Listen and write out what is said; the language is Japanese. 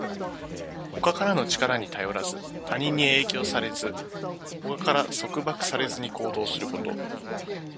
他からの力に頼らず、他人に影響されず、他から束縛されずに行動すること。